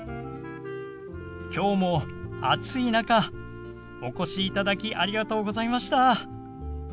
きょうも暑い中お越しいただきありがとうございました。